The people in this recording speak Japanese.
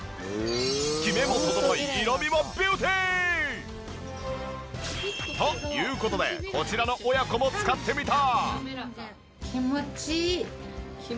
キメも整い色味もビューティー！という事でこちらの親子も使ってみた。